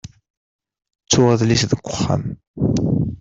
Ttuɣ adlis deg uxxam.